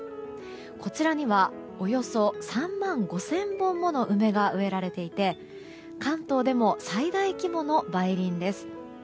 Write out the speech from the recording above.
こちらにはおよそ３万５０００本もの梅が植えられていて関東でも最大規模の梅林です。